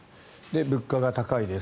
物価が高いです。